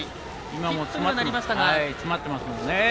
今も詰まってますもんね。